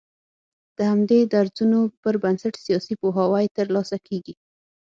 د همدې درځونو پر بنسټ سياسي پوهاوی تر لاسه کېږي